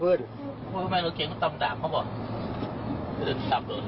หรือตำโดน